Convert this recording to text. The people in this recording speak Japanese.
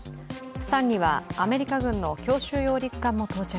プサンにはアメリカ軍の強襲揚陸艦も到着。